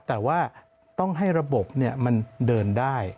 แต่ว่าต้องให้ระบบมันเดินได้